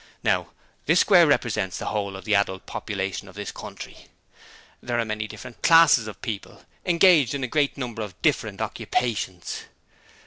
Now this square represents the whole of the adult population of this country. There are many different classes of people, engaged in a great number of different occupations.